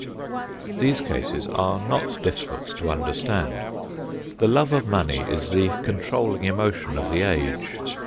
These cases are not difficult to understand. The love of money is the controlling emotion of the age.